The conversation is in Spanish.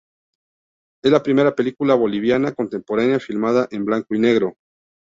Es la primera película boliviana contemporánea filmada en blanco y negro.